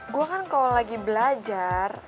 gue kan kalau lagi belajar